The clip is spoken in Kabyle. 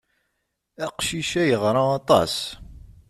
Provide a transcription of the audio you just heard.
Aqcic-a yeɣra aṭas.